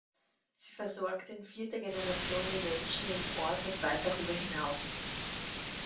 Sie versorgt in vierter Generation die Menschen im Ort und weit darüber hinaus.